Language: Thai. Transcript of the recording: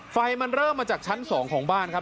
ไฟมันเริ่มมาจากชั้น๒ของบ้านครับ